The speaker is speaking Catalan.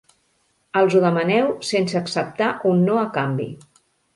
Els ho demaneu sense acceptar un no a canvi.